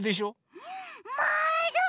まる！